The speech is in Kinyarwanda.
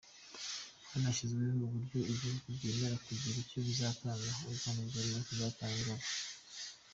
Hanashyizweho uburyo ibihugu byemera kugira icyo bizatanga, u Rwanda rwemera ko ruzatanga ingabo.